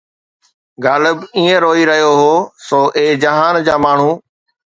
غالب ائين روئي رهيو هو! سو اي جهان جا ماڻهو